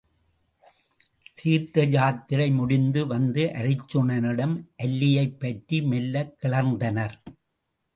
தீர்த்த யாத்திரை முடிந்து வந்த அருச்சுனனிடம் அல்லியைப் பற்றி மெல்லக் கிளர்ந்தனர்.